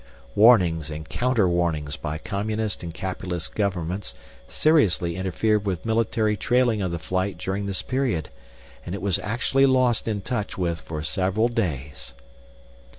Warnings and counterwarnings by Communist and Capitalist governments seriously interfered with military trailing of the flight during this period and it was actually lost in touch with for several days.